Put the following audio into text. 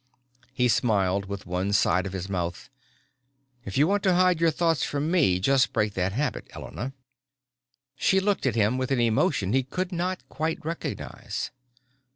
He smiled with one side of his mouth. "If you want to hide your thoughts from me just break that habit, Elena." She looked at him with an emotion he could not quite recognize.